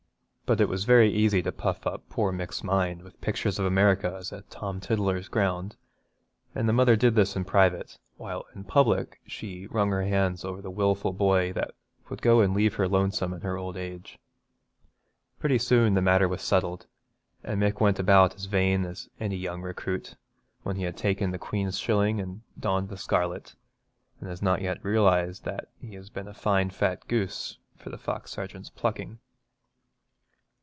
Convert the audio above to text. But it was very easy to puff up poor Mick's mind with pictures of America as a Tom Tiddler's ground, and the mother did this in private, while in public she wrung her hands over the wilful boy that would go and leave her lonesome in her old age. Pretty soon the matter was settled, and Mick went about as vain as any young recruit when he has taken the Queen's shilling and donned the scarlet, and has not yet realised that he has been a fine fat goose for the fox sergeant's plucking.